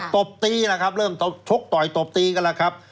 ตบตีแล้วครับเริ่มชกต่อยตบตีกันแล้วครับ